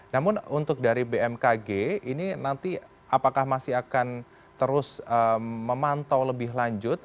namun untuk dari bmkg ini nanti apakah masih akan terus memantau lebih lanjut